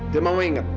dan mama inget